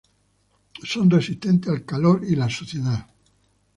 Son resistentes al calor y la suciedad.